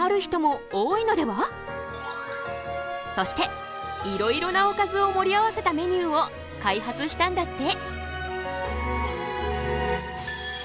そしていろいろなおかずを盛り合わせたメニューを開発したんだって。